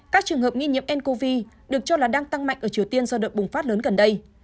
các trường hợp nghi nhiễm ncov được cho là đang tăng mạnh ở triều tiên do đợt bùng phát lớn gần đây